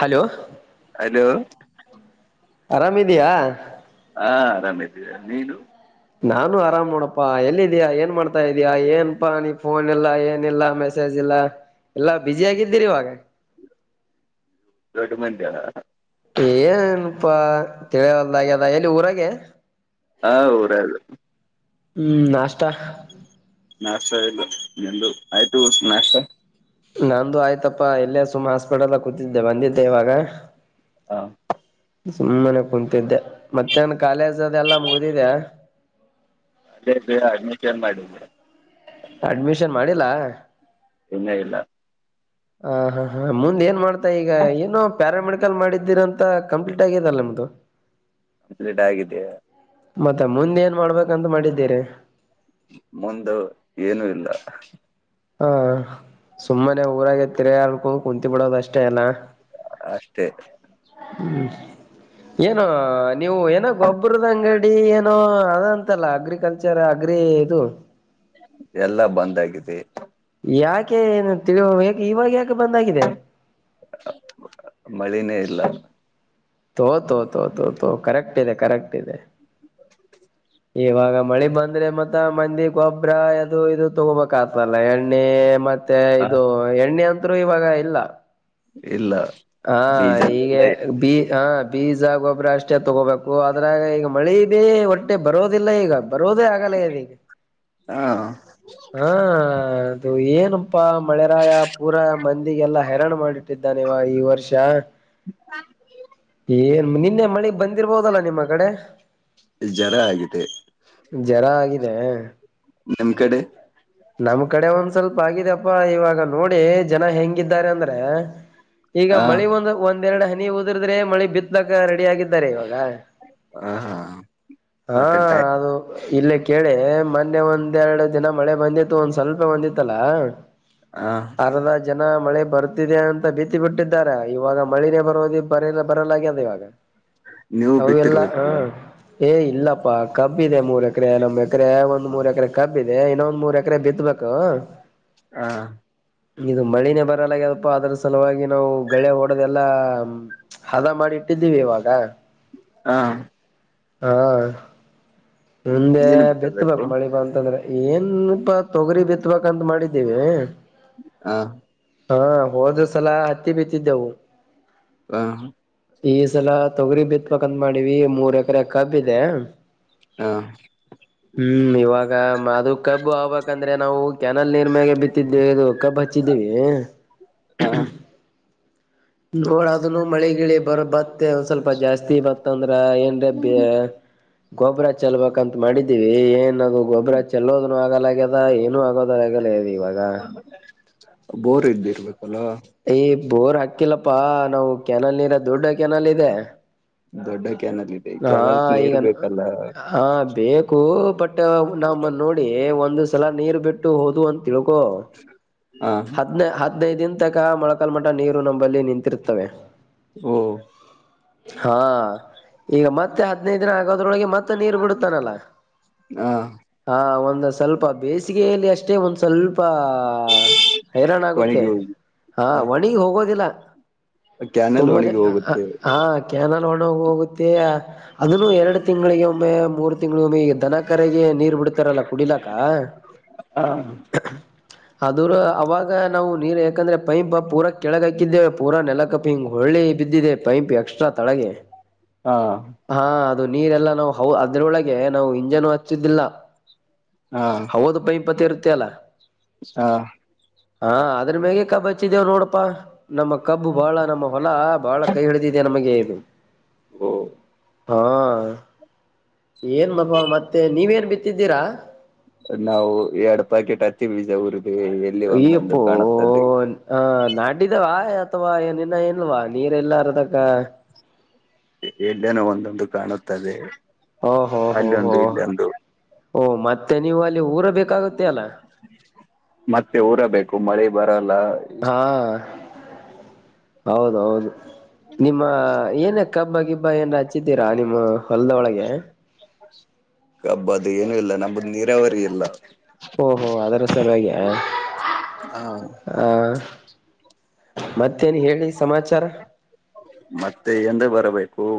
Hello ಹ ಅರಾಮಿದಿಯಾ ಹಾ ಆರಾಮ ಇದೀ ನೀನು ನಾನು ಆರಾಮ್ ಮಾಡೋಪ್ಪಾ ಎಲ್ಲಿದ್ಯಾಾ ಏನ್ ಮಾಡ್ತಾ ಇದೀಯ ಏನಪಾ ನೀ ಫೋನ್ ಇಲ್ಲ ಏನಿಲ್ಲಾ ಮೆಸೇಜ್ ಲ್ಲ ಎಲ್ಲಾ ಬಿುಸಿ ಆಗಿದ್ದೀರಿ ಇವಾಗ ದೊಡ್ಡ ಮಂದಿಯ ಏಏನಪಾ ತಿಳಿಯವಲ್ದಾಗ್ಯ ಅದ ಎಲ್ಲಿ ಊರಾಗ ಹಾ ಊರ ಹ್ಮ್ ನಾಷ್ಟ. ನಾಷ್ಟ ಇಲ್ಲ ಎಂದು ಆಯ್ತು ನಾಷ್ಟ. ನಂದುು ಆಯ್ತಪ್ಪಾ ಎಲ್ಲೇ ಸುಮ ಹಾಸ್ಪಿಟಲ್ ಕೂತಿದ್ದೆ ಬಂದಿದ್ದೆ ಇವಾಗ. ಹ [inaudible] ಸುಮ್ಮನೆ ಕುೂಂತಿದ್ದೆ ಮತ್ತೆನ್ ಕಾಲೇಜ ಅದೆಲ್ಲ ಮುಗಿದಿದೆ. ಅದೇ ಬಿ [unintelligible] ಮಾಡಿದ್ದೆ. ಅಡ್ಮಿಷನ್ ಮಾಡಿಲ್ಲಾ. ಇನ್ನ ಇಲ್ಲ. ಹ ಹಾ ಹಾ ಮುಂದೆ ಏನ್ ಮಾಡ್ತಾ ಈಗ ಏನು. ಪ್ಯಾರಾಮೆಡಿಕಲ್ ಮಾಡಿದ್ದೀರ ಅಂತ ಕಂಪ್ಲೀಟ್ ಆಗಿದೆಲ್ಲ ನಿಮ್ದ. ಕಂಪ್ಲೀಟ್ ಆಗಿದೆಯಾ. ಮತ್ತೆ ಮುಂದೆ ಏನ್ ಮಾಡ್ಬೇಕಂತ ಮಾಡಿದ್ದೀರಿ. ಮುಂದು ಏನುೂ ಇಲ್ಲ. ಹಾ ಸುಮ್ಮನೆ ಊರಾಗ ತಿರಯಾರ್ಗು ಕುಂತ ಬಿಡೋದ ಅಷ್ಟೇ ಅಲ್ಲ. ಅಷ್ಟೇ. ಏನೋ ನೀವು ಏನೋ ಗೊಬ್ಬರದ ಅಂಗಡಿ ಏನೋ. ಅದಂತಲ್ಲ ಅಗ್ರಿಕಲ್ಚರ್ ಅಗ್ರಿ ಇದು. ಎಲ್ಲಾ ಬಂದ್ ಆಗಿದೆ. ಯಾಕೆ ಏತಿ ಇವಾಗ ಯಾಕೆ ಬಂದಾಗಿದೆ. ಮಳಿನೇ ಇಲ್ಲ. ತೋತೋ ತೋತೋತೋ ಕರೆಕ್ಟ್ ಇದೆ ಕರೆಕ್ಟ್ ಇದೆ. ಇವಾಗ ಮಳೆ ಬಂದ್ರೆ ಮತ್ತ ಮಂದಿ ಗೊಬ್ಬರ ಅದು ಇದು ತಗೋಬ. ಲ್ಲ ಎಣ್ಣೆ ಮತ್ತೆ ಹ ಇದು ಎಣ್ಣೆ ಅಂತರು ಇವಾಗ ಇಲ್ಲ. ಇಲ್ಲ. ಹಾ ಬೀಜನ ಇಲ್ಲ ಈಗೆ ಬಿ. ಹಾ ಬೀಜ ಗೊಬ್ಬರ ಅಷ್ಟೇ ತೊಗೋಬೇಕು ಅದ್ರಾಗ ಈಗ ಮಳಿ ಭೀ ಹೊಟ್ಟೆ ಬರೋದಿಲ್ಲ ಈಗ. ಬರುವುದೇ ಆಗಲ್ಲ ಅದ ಈಗ ಹ ಹಾ ಅದು ಏನು. ತಪ್ಪ ಮಳೆರಾಯ ಪೂರ ಮಂದಿಗೆಲ್ಲಾ ಹರಾಣು ಮಾಡಿಟ್ಟಿದ್ದಾನೆವ ಈ ವರ್ಷ. ಏನ್ ಮನಿ. ನಿನ್ನೆ ಮಳಗ್ ಬಂದಿರ್ಬೋದಲ್ಲ ನಿಮ್ಮ ಕಡೆ ಜರ ಆಗಿದೆ ಜರ ಆಗ. [inaudible] ನಿಮ್ ಕಡೆ. ನಮ್ ಕಡೆ ಒಂದ್ ಸ್ವಲ್ಪ ಆಗಿದಪ್ಪಾ ಇವಾಗ ನೋಡಿ ಜನ ಹೆಂಗಿದ್ದಾರೆ ಅಂದ್ರೆ. ಈಗ ಹ ಮಳಿ ಒಂದು ಒಂದೆರಡು ಹನಿ ಓದ್ರಿದ್ರೆ ಮಳಿ ಬಿತ್ಲಕ ರೆಡಿ ಆಗಿದ್ದಾರೆ ಇವ. ಹ ಹಾ ಹಾ ಮತ್ತೆ ಟೈ ಅದು. ಇಲ್ಲ ಕೇಳಿ ಮೊನ್ನೆ ಒಂದ್ರಡು ದಿನ ಮಳೆ ಬಂದಿತ್ತು ಒಂದ್ ಸ್ವಲ್ಪ ಬಂದಿತ್ತಲ. ಹ [unintelligible] ಜನ ಮಳೆ ಬರ್ತಿದೆ ಅಂತ ಭೀತಿ ಬಿಟ್ಟಾರ ಇವಾಗ ಮಳೆಯೇ ಬರೋದು ಬರಲ್ಲ ಬರಲಾಗ್ಯ ಅದ ಇವಾಗ. ನೀವು ಆ ಎಲ್ಲ ಹಾ. ಬಿತ್ತಿರ್ಬೇಕಲ್ಲ ಏ ಇಲ್ಲಪ್ಪಾ ಕಬ್ಬ ಇದೆ ಮೂರ್ ಎಕರೆ ನಮ್ ಎಕರೆ ಒಂದ್ ಮೂರ್ ಎಕರೆ ಕಬ್ಬ ಇದೆ ಇನ್ನೊಂದ್ ಮೂರ್ ಎಕ. ಅಕ್ರ ಬಿತ್ಬೇಕ. ಹಾ ಇದು ಮಳಿನೇ ಬರಲ್ಲ್ಯದಪ್ಪ ಅದ್ರ ಸಲುವಾಗಿ ನಾವು ಳೆ ಹೊಓಡೋದೆಲ್ಲಾ ಹದ ಮಾಡಿ. ಕಟ್ಟಿದ್ದೀವಿ ಇವಾಗ. ಹಾ. ಹಾ ಮುಂದೆ ಬಿತ್ತಬೇಕು ಮಳಿ ಬಂತಂದ್ರೆ. ಏನಪಾ ತೊಗರಿ ಬಿತ್ಬೇಕಂತ ಮಾಡಿದ್ದೀವಿ. ಹಾ. ಹಾ ಹೋದ ಸಲ ಹತ್ತಿ ಬಿತ್ತಿದ್ದೆವು. ಹಾ. ಈ ಸಲ ತೊಗರಿ ಬಿತ್ಪಕಂದ ಮಾಡಿವ ಮೂರ್ ಎಕರೆ ಕಬ್ಬ ಇದೆ ಹಾ ಹ್ಮ್ ಇವಾಗ ಅದು ಕಬ್ಬು ಆಗ್ಬೇಕಕ್ಂದ್ರೆ ನಾವು ಕೆ್ಯನಲ್ ನೀರ್ ಮ್ಯಾಗ ಬಿತ್ತಿದ್ದೆವಿ ಇದು ಕಬ್ಬು ಪಚ್ಚಿದ್ದೀವಿ ಹಾ ನೋಡದನು ಮಳಗಿಳಿ ಬರ ಬತ್ತ ಒಂದ್ ಸ್ವಲ್ಪ ಜಾಸ್ತಿ ಬತ್ತ ಅಂದ್ರೆ ಏನ್ ಗೊಬರ ಚಲ್ಬೇಕಂತ ಮಾಡಿದೀವಿ ಏ ಇನ್ನದು ಗೊಬರಾಜ್ ಚೆಲ್ಲೋ್ನು ಆಗಲ್ಲ ಆ್ಯದ ಏನು ಆಗೋದ ಆಗಲ್ಲ ಇವಾಗ ಬೋರ್ ಇದ್ದಿ ಇರ್ಬೇಕು ಬೋರ್ ಹಾಕಿಲ್ಲಪ್ಪಾ ನಾವು ಕೆ್ಯಾನಲ್ ನೀರ ದೊಡ್ಡ ಕೆ್ಯಾನಲ್ ಇದೆ ದೊಡ್ಡ ಕ್ಯಾನಲ್ ಇದೆ ಹಾ ಕ್ಯಾನಲ್ ಈಗ ನೀರ್ ಬೇಕಲ್ಲ ಹ ಬೇಕು ಬಟ್ ನಮ್ಮ ನೋಡಿ ಒಂದ ಸಲ ನೀರ್ ಬಿಟ್ಟು ಹೋದ ಅಂತ ತಿಳ್ಕೊ ಹ ಹದ್ನ ಹದ್ಿನೈದ ದನ್ ತಕ ಮೊಳಕಲ್ ಮಠ ನೀರು ನಂಬ ಬಲ್ಲಿ ನಿಂತಿರ್ತವೆ ಓ ಹಾ ಈಗ ಮತ್ತೆ ಹದ್ಿನೈದು ದಿನ ಆಗಲ್ ೊಳಗೆ ಮತ್ತೆ ನೀರು ಬಿಡುತ್ತಾನಲ್ಲ ಹ ಹ ಒ ಸ್ವಲ್ಪ ಬೇಸಿಗೆಯಲ್ಲಿ ಅಷ್ಟೇ ಒಂದು್ ಸ್ವಲ್ಪ ಹೈರಾಣ ಆಗುತ್ತೆ ಒಣಗಿ ಹೋಗಿ ಹಾ ಹ ಒಣಗ್ ಹೋಗೋದಿಲ್ಲ ಕ್ಯಾನಲ್ ಸುಮ್ಮನೆ ಒಣಗಿ ಹೋಗುತ್ತೆ ಹಾ ಕನೋ ಹೋಗುತ್ತೆ ಅದನ್ನು ಎರಡು ತಿಂಗಳಿಗೆ ಒಮ್ಮೆ ಮೂರು ತಿಂಗಳಗ ಒಮ್ಮೆ ಈಗ ದನ ಕರೆಗೆ ನೀರ್ ಬಿಡ್ತಾರಲ್ಲ ಕುಡಿಲ ಹ ಅ ಅವಾಗ ನಾವು ನೀರ್ ಯಾಕಂದ್ರೆ ಪೈಂಪ್ ಪೂರಾ ಕೆಳಗ ಹಾಕಿದ್ದೇವೆ ಪೂರ ನೆಲಕಪ್ಪಿ ಹಿಂಗ್ ಹೊಳ್ಳಿ ಬಿದ್ದಿದೆ ಪೈಪ್ ಎಕ್ಸ್ಟ್ರಾ ತಳಗೆ ಹಾ ಹಾ ಅದು ನೀರೆಲ್ಲ ನಾವು ಹ ಅದ್ರೊಳಗೆ ನಾವು ಇಂಜನ್ ಹಚ್ಚಿದ್ದಿಲ್ಲ ಹಾ ಹೌದ ಪೈ ಪತ್ತ ಇರುತ್ತೆ ಅಲ್ಲ ಹಾ ಹಾ ಅದ್ರ ಮ್ಯಗಕ್ಕ ಬಚ್ಚಿದೇವ ನೋಡಪ್ಪಾ ನಮ್ಮ ಕಬ್ಬು ಬಾಳ ನಮ್ಮ ಹೊಲ ಬಹಳ ಕೈ ಹಿಡಿದಿದೆ ನಮಗೆ ಇದು ಓ ಹಾ ಏನ್ ಮಪ ಮತ್ತೆ ನೀವೇನ್ ಬಿತ್ತಿದ್ದೀರಾ ನಾವು ಎರಡ್ ಪ್ಯಾಕೆಟ್ ಹತ್ತೀವಿವಿಜ ಊರಿಗೆ ಈಪ್ಪೋ ಆ ನಾಡಿದಾವ ಅಥವಾ ಏನನ್ನ ಎಲ್ವಾ ನೀರ್ ಎಲ್ಲ ಅರ್ದಕ್ಕ ಎಲ್ಲನೋ ಒಂದೊಂದು ಕಾಣುತ್ತದೆ ಓಹೋ ಹೋ ಅಲ್ಲೊಂದು ಹೋ ಇಲ್ಲೊಂದು ಓ ಮತ್ತೆ ನೀವು ಅಲ್ಲಿ ಊರ ಬೇಕಾಗುತ್ತೆ ಅಲ್ಲ ಮತ್ತೆ ಊರಬೇಕು ಮಳೆ ಬರ ಹಾ ಹೌದ ಹೌದು ನಿಮ್ಮ ಏನ ಕಬ್ಬ ಕಿಬ್ಬ ಏನ್ ಹಚ್ಚಿದ್ದೀರಾ ನಿಮ್ಮ ಹೊಲದ ಒಳಗೆ ಕಬ್ಬ ಅದು ಏನು ಇಲ್ಲ ನಮ್ದ ನೀರಾವರಿ ಇಲ್ಲ ಓಹೋ ಅದರೂ ಸರಿಾಗಿ ಹ ಆ ಮತ್ತೇನ್ ಹೇಳಿ ಸಮಾಚಾರ ಮತ್ತೆ ಎಂದ ಬರಬೇಕು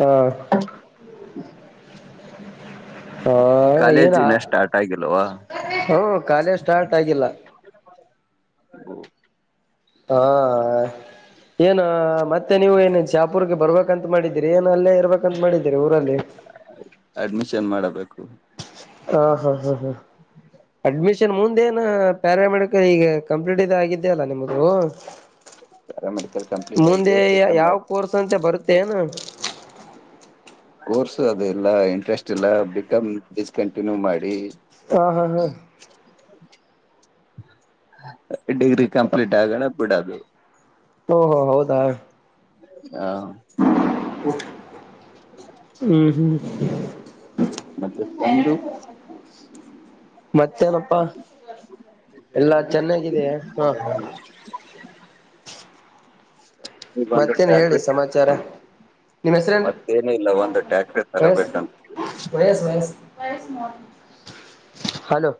ಹಾ ಹಾ ಏನ ಕಾಲೇಜ್ ಇನ್ನ ಸ್ಟಾರ್ಟ್ ಆಗಿಲ್ವಾ ಹ್ಮ ಕಾಲೇ ಸ್ಟಾರ್ಟ್ ಆಗಿಲ್ಲ ಹ್ಮ ಹಾ ಏನ ಮತ್ತೆ ನೀವು ಏನನ್ ಚಾಪುರ್ಗೆ ಬರ್ಬೇಕಂತ ಮಾಡಿದೀರಿ ಏನ್ ಅಲ್ಲೇ ಇರ್ಬೇಕಂತ ಮಾಡಿದ್ದೀರಿ ಊರಲ್ಲಿ ಅಡ್ಮಿಷನ್ ಮಾಡಬೇಕು ಹಾ ಹಾ ಹಾ ಹಾ ಅಡ್ಮಿಷನ್ ಮುಂದೇನ ಪ್ಯಾರಾಮೆಡಿಕಲ್ ಈಗ ಕಂಪ್ಲೀಟ್ ಆಗಿದ್ದೇ ಅಲ್ಲ ನಿಮ್ದು ಪ್ಯಾರಾಮೆಡಿಕಲ್ ಕಂಪ್ಲೀಟ್ ಮುಂದೆ ಆಗಿದೆ ಬಿಕಾಮ್ ಯಾವ ಮಾಡಿ ಕೋರ್ಸ್ ಅಂತ ಬರುತ್ತೆ ನ [unintelligible] ಕೋರ್ಸ ಅದೆ ಇಲ್ಲ ಇಂಟ್ರೆಸ್ಟ್ ಇಲ್ಲ ಬಿಕಾಮ್ ಡಿಸ್ಕಂಟಿನ್ಯೂ ಮಾಡಿ ಹಾ ಹಾ ಹಾ ಡಿಗ್ರಿ ಕಂಪ್ಲಿೀಟ್ ಆಗಣ ಬಿುಡದು ಓ ಹೋ ಹೌದಾ ಹಾ ಹ ಹ್ಮ್ ಹ್ಮ್ ಮತ್ತೆ ನಮ್ದು ಮತ್ತೇನಪ್ಪಾ ಎಲ್ಲಾ ಚೆನ್ನಾಗಿದ ಹಾ ಈಗ ಒಂದು ಮತ್ತೇನ್ ಹೇಳಿ ಟ್ಯಾಕ್ಟ್ರಿ ಸಮಾಚಾರ ನಿಮ್ಮ್ ಹೆಸ್ರೇನ್ ಮತ್ತೇನು ಇಲ್ಲ ಒಂದು ಟ್ಯಾಕ್ಟ್ರಿ ವಯಸ್ ತರಬೇಕಂತ ವಯಸ್ ವಯಸ್ ಹಲೋ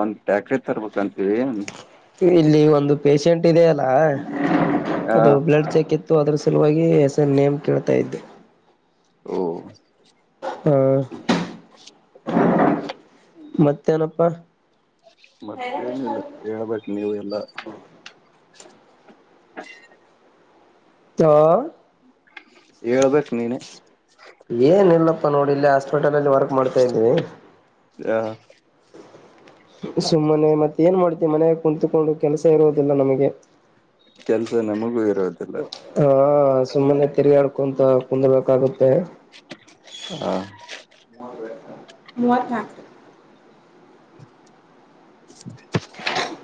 ಒಂದ್ ಟ್ಯಾಕ್ರಿ ತರ್ಬೇಕಂತೀವಿ ಇಲ್ಲಿ ಒಂದು ಪೇಶೆಂಟ್ ಇ ಅಲ್ಲ ಹ ಅದು ಬ್ಲಡ್ ಚೆಕ್ ಇತ್ತು ಅದ್ರ ಸಲುವಾಗಿ ಹೆಸ ನೇಮ್ ಕೇಳ್ತಾ ಇದ್ದೆ ಓ ಹ್ಮ ಮತ್ತೇನಪ್ಪಾ ಮತ್ತೇನಿಲ್ಲ ಹೇಳ್ಬೇಕು ನೀವು ಎಲ್ಲಾ ಹ ಹೇಳ್ಬೇಕ್ ನೀನೆ ಏನ್ ಇಲ್ಲಪ್ಪ ನೋಡಿ ಇಲ್ಲೇ ಹಾಸ್ಪಿಟಲ್ ಅಲ್ಲಿ ವರ್ಕ್ ಮಾಡ್ತಾ ಇದ್ದೀ ಹ ಸುಮ್ಮನೆ ಮತ್ತೆ ಏನ್ ಮಾಡ್ತೀವಿ ಮನೆಾಗ ಕುತ್ಕೊಂಡು ಕೆಲಸ ಇರುೋದಿಲ್ಲ ನಮಗೆ ಕೆಲ್ಸ ನಮಗೂ ಇರೋದಿಲ್ಲ ಹಾ ಸುಮ್ಮನೆ ತಿರ್ಗಾಡ್ಕೊಂತ ಕುಂದರ್ಬೇಕಾಗುತ್ತೆ ಹಾ ಮೂವತನ್ಕ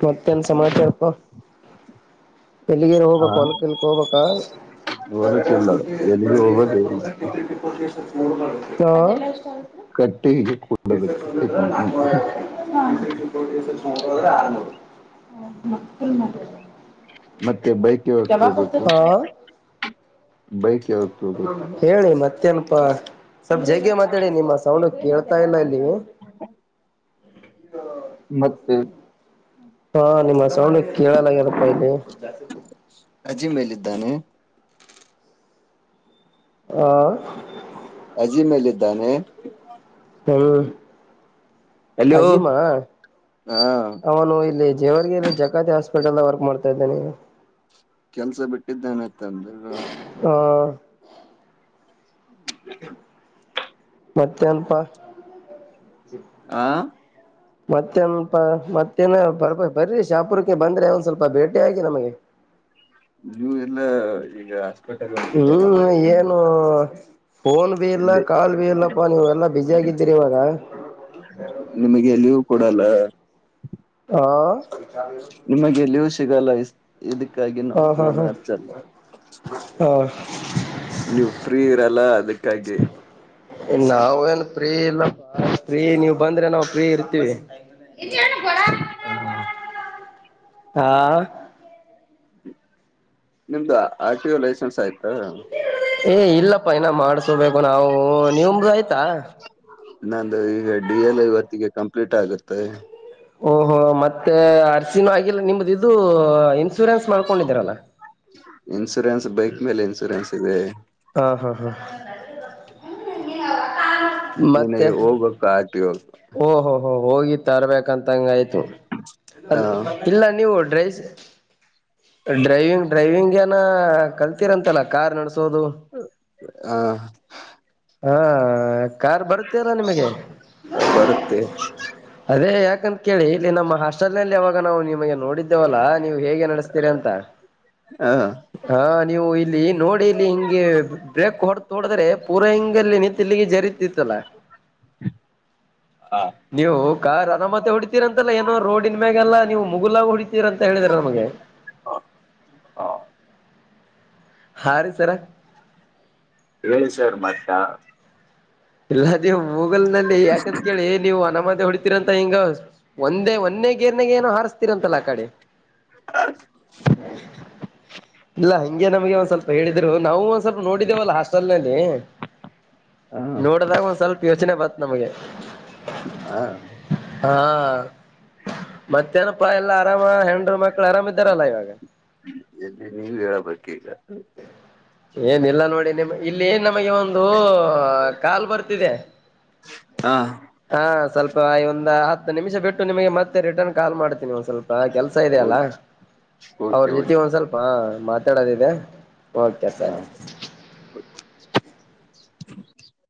ಮತ್ತೆನ್ ಸಮಾಚಾರಪ್ಪ ಬೆಳ್ಳಿಗೇರ್ ಹ ಹೋಗ್ಬೇಕ ಹೊಲ್ಕಲ್ಕ್ ಹೋಗ್ ಹೋಲಿಕ್ಕಿಲ್ಲ ಎಲ್ಲಿಗೂ ಹೋಗೋದೇ ಇಲ್ಲ ಚಲ್ಪ ಕಟ್ಟಿಗೆ ಕೊಡಬೇಕು ಕಟ್ಟಿ ದಿದ್ರೆ ಕಂಪ್ನಿ ನಾಲ್ಕವರೆ ದ್ರೆ ಆರ ಹ ಹಮ್ಮ ಮತ್ತೆ ಬೈಕ್ ಯಾವಾಗ ತೋಬೇಕು ಹ ಬೈಕ್ ಯಾವತ್ತು ಹೋಗ್ಬೇಕು ಸ್ವಲ್ಪ್ ಜಗ್ ಮಾತಾಡಿ ನಿಮ್ಮ ಸೌಂಡ ಕೇಳ್ತಾ ಇಲ್ಲ ಇಲ್ಲಿ ಮತ್ತೆ ಹಾ ನಿಮ್ಮ್ ಸೌಂಡ ಕೇಳಲಾಗ್ಯಾದಪ ಇದು ಅಜಿ ಮೇಲಿದ್ದಾನೆ ಹ ಅಜೀ ಮೇಲ್ಲ ಇದ್ದಾನೆ ಹ್ ಹಲೋ ಅಜೀಮ ಆ ಅವನು ಇಲ್ಲಿ ಜೇವರ್ಗಿಲ್ಲಿ ಜಕಾತಿ ಹಸ್ಪ ಪಟಲ್ಲ ವರ್ಕ್ ಮಾಡ್ತಾ ಇದ್ದೇನೆ ನೀ ಕೆಲ್ಸ ಬಿಟ್ಟಿದ್ದನೆತ್ ಅಂದ್ರ [inaudible] ಹ್ಮ. ಮತ್ತೆನಪಾ. ಹಾ. ಮತ್ತೆಪ ಮತ್ತೇನ ಬರ್ಬ ಬರಿ ಶಾಪುರಕ್ಕೆ ಬಂದ್ರೆ ಒಂದ ಸ್ವಲ್ಪ ಭೇಟಿ ಆಾಗಿಿ ನಮಗೆ. ಹ. ನೀವು ಎಲ್ಲ ಈಗ. ಹಾಸ್ಪಿಟಲ್ ಹೊಂಟಿದ್ದಾರೆ ಹ್ಮ್ ಏನು. ಫೋನ್ ಬಿ ಇಲ್ಲ ಇಲ್ಲಿ ಕಾಲ್ ಭ ಇಲ್ಲಪ್ಪ ನೀ್ ಎಲ್ಲಾ ಬಿಸಿ ಆಗಿದ್ದೀರಿ ಇವಾಗ. ನಿಮಗೆ ಎಲ್ಲಿಯೂ ಕೂಡಲ್ಲ. ಹ ನಿಮಗೆಲ್ಲಿಯೂ ಸಿಗಲ್ಲ. ಇದಕ್ಕಾಗಿ ನಾವು ಹ ಹಾ ಫೋನ್ ಹಾ ಹಚ್ಚಲ್ಲ. ಹಾ ನೀವು ಫ್ರೀ ಇರಲ್ಲ ಅದಕ್ಕಾಗಿ. ಇ ನಾವು ಏನ್ ಪ್ರೀ ಇಲ್ಲ. ಫ್ರೀ ನೀವು್ ಬಂದ್ರೆ ನಾವು ಫ್ರೀ ಇರ್ತೀವಿ. ಹಾ. ಹಾ. ನಿಮ್ದು ಆರ್ಟಿೋ ಲೈಸೆನ್ಸ್ ಆಯ್ತಾ. ಏ ಇಲ್ಲಪ್ಪ ಇನ ಮಾಡ್ಸೋಬೇಕು ನಾವು ನೀಮ್ಮದು ಆಯ್ತಾ. ನಂದು ಈಗ ಡಿ ಎಲ್ ಐ ಹೊತ್ತಿಗೆ ಕಂಪ್ಲೀಟ್ ಆಗುತ್ತೆ. ಓಹೋ ಮತ್ತೆ ಅರಸಿನ ಆಗಿಲ್ಲ ನಿಮ್ದ ಇದು ಇನ್ಸೂರೆನ್ಸ್ ಮಾಡ್ಕೊಂಡಿದೀರಲ್ಲ. ಇನ್ಸೂರೆನ್ಸ್ ಬೈಕ್ ಮೇಲೆ ಇನ್ಸೂರೆನ್ಸ್ ಇದೆ. ಹಾ ಹಾ ಹಾ. ನೀನ ಮತ್ತೆ ಹೋಗ್ಕ್ಕ ಆಟ ಹೋಗು. ಓಹೋ ಹೋ್ ಹೋಗಿ ತರ್ಬೇಕಂತಂಗ ಆಯ್ತು ಅದ ಇಲ್ಲ ನೀವು. ಡ್ರೈಸ್ ಡ್ರೈವಿಂಗ್ ಡ್ರೈವಿಂಗ್ ಏನ ಕಲ್ತಿರಂತೆಲ್ಲ ಕಾರ್ ನಡಸ. ಹ. ಹಾ ಕಾರ್ ಬರುತ್ತೀರ ನಿಮಗೆ. ಹ ಬರುತ್ತೆ ಅದೇ ಯಾಕಂತ ಕೇಳಿ ಇಲ್ಲಿ ನಮ್ಮ ಹಾಸ್ಟೆಲ್ ನಲ್ಲಿ ಯಾವಾಗ ನಾವು ನಿಮಗೆ ನೋಡಿದ್ದೇವಲ್ಲಾ. ನೀವು ಹೇಗೆ ನಡೆಸ್ತೀರಿ ಅಂತ ಹ ಹಾ ನೀವು ಇಲ್ಲಿ ನೋಡಿ ಇಲ್ಲಿ ಹಿಂಗೆ ಬ್ರೇಕ್ ಹೊಡೆತ ಹೊೋಡಿದ್ರೆ. ಪೂರ ಇಂಗಲ್ಲಿ ನಿಂತಲ್ಲಿಗೆ ಜರಿತಿತ್ತಲ ಹ ನೀವು. ಕಾರ್ ನಮ್ಮ ಮತ್ತೆ ಹ ಹೊಡಿತೀರ ಅಂತಲ್ಲಾ ಏನೋ ರೋಡನ್ ಮ್ಯಾಗಲ್ಲ ನೀವು ಮುಗುಲಾಗ ಹೊಡಿತೀರ ಅಂತ ಹೇಳಿದ್ರ ನಮಗೆ. [inaudible] [unintelligible] ಹಾ. ಹಾ ರೀ ಸರ. ಹೇಳ ಸರ್ ಮತ್ತ. ಇಲ್ಲ ನೀವು ಗೂಗಲ್ ನಲ್ಲಿ ಯಾಕಂತ ಕೇಳಿ ನೀವು ಅನಮದ ಹೊ. ಂತ ಹಿಂಗ ಒಂದೇ ಒಂದೇ ಗೇರ್ನ ಏನು ಹಾರ. ಂತಲ್ಲ ಆ ಕಡೆ ಇಲ್ಲ. ಹಂಗೆ ನಮಗೆ ಒಂದ್ ಸ್ವಲ್ಪ ಹೇಳಿದ್ರು ನಾವು ಒಂದ ಸ್ವಲ್ಪ ನೋಡಿದ್ದೇವಲ್ಲಾ ಹಾಸ್ಟೆಲ್ ನಲ್ಲಿ. ನೋಡದಾಗ ಒಂದ್ ಸ್ವಲ್ಪ ಯೋಚನೆ ಬತ್ ನಮ್ಗೆ. ಹ ಹಾ. ಮತ್ತೇನಪ್ಪ ಎಲ್ಲಾ ಆರಾಮ ಹೆಂಡರು ಮಕ್ಕಳು ಆರಾಮ್ ಇದ್ದಾರಲ್ಲ ಇವಾಗ. ನೀವ ಹೇಳ ಬ ಇಲ್ಲ. ಏನಿಲ್ಲ ನೋಡಿ ನಿಮ ಇಲ್ಲಿ ನಮಗೆ ಒಂದು ಕಾಲು ಬರ್ತಿದೆ ಹ ಹಾ ಸ್ವಲ್ಪ ಒಂದು ಹತ್ತು ನಿಮಿಷ ಬಿಟ್ಟು ನಿಮಗೆ ಮತ್ತೆ ರಿಟರ್ನ್ ಕಾಲ್ ಮಾಡ್ತೀನಿ. ಸ್ವಲ್ಪ ಕೆಲ್ಸ ಇದೆಯಲ್ಲ ಅವ್ರ ಓಕೆ ಜೊತೆ ಓಕೆ ಒಂದ್ ಸ್ವಲ್ಪ ಮಾತಾಡೋದಿದೆ ಕೆ ಸರಿ. ಹ [unintelligible]